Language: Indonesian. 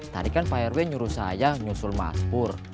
tadi kan fireway nyuruh saya nyusul mas pur